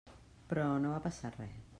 Però no va passar res.